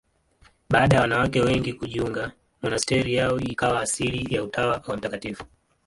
Baada ya wanawake wengine kujiunga, monasteri yao ikawa asili ya Utawa wa Mt.